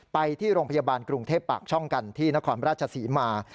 ไปที่โรงพยาบาลกรุงเทพปากช่องกันที่นครราชศรีมา